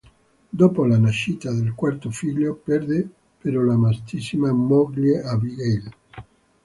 Dopo la nascita del quarto figlio perde però l'amatissima moglie Abigail.